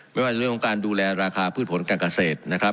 ไม่ว่าในเรื่องของการดูแลราคาพื้นผลการเกษตร